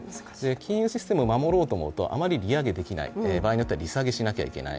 金融システムを守ろうと思うと、あまり利上げできない場合によっては利下げしないといけない